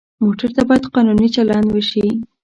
موټر ته باید قانوني چلند وشي.